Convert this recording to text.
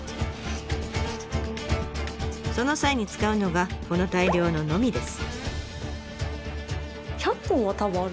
その際に使うのがこの大量のノミです。